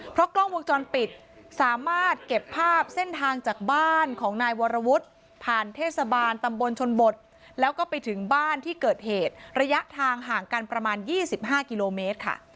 เพราะกล้องวงจรปิดสามารถเก็บภาพเส้นทางจากบ้านของนายวรวุฒิผ่านเทศบาลตำบลชนบทแล้วก็ไปถึงบ้านที่เกิดเหตุระยะทางห่างกันประมาณ๒๕กิโลเมตรค่ะ